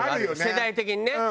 世代的にね。